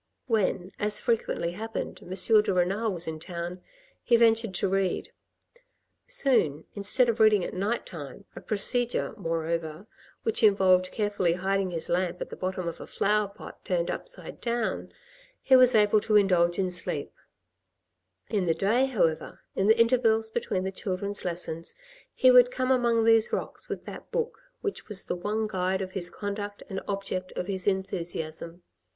When, as frequently happened, M. de Renal was in town, he ventured to read ; soon, instead of reading at night time, a procedure, moreover, which involved carefully hiding his lamp at the bottom of a flower pot turned upside dowri, he was able to indulge in sleep ; in the day, however, in the intervals between the children's lessons, he would come among these rocks with that book which was the one guide of his conduct and object of his enthusiasm.